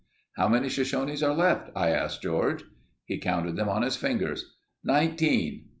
"How many Shoshones are left?" I asked George. He counted them on his fingers. "Nineteen.